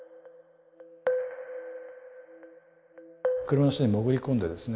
車の下に潜り込んでですね。